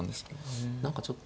何かちょっと。